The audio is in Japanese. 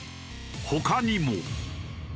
他にも。